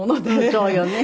そうよね。